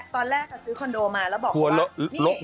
ตอนแรกซื้อคอนโดมาแล้วบอก